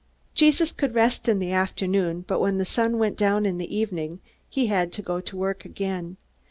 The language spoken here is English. Jesus could rest in the afternoon, but when the sun went down in the evening he had to go to work again.